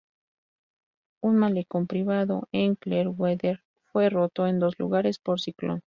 Un malecón privado en Clearwater, fue roto en dos lugares por el ciclón.